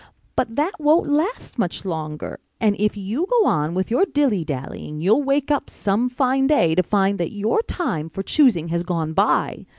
But that won't last much longer and if you go on with your dilly dallying you'll wake up some fine day to find that your time for choosing has gone by.